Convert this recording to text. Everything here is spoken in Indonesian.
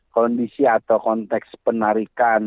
kondisi atau konteks penarikan